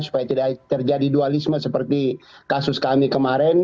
supaya tidak terjadi dualisme seperti kasus kami kemarin